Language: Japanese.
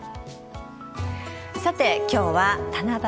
さて、今日は七夕。